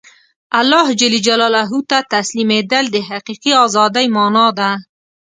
الله ته تسلیمېدل د حقیقي ازادۍ مانا ده.